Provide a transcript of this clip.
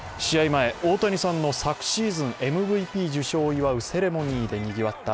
前、大谷さんの昨シーズンＭＶＰ受賞を祝うセレモニーでにぎわった